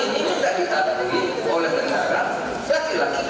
ada undang undang topografi